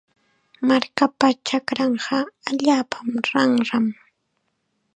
Markapa chakranqa allaapa ranram.